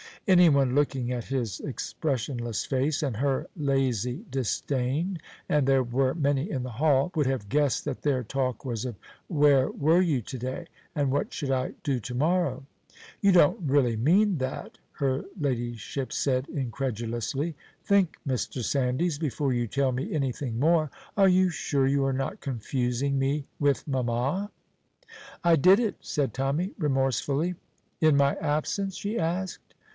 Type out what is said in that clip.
Anyone looking at his expressionless face and her lazy disdain (and there were many in the hall) would have guessed that their talk was of where were you to day? and what should I do to morrow? "You don't really mean that?" her Ladyship said incredulously. "Think, Mr. Sandys, before you tell me anything more. Are you sure you are not confusing me with mamma?" "I did it," said Tommy, remorsefully. "In my absence?" she asked.